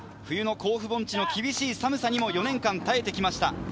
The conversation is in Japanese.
山梨学院の４年生、冬の甲府盆地の厳しい寒さにも４年間耐えてきました。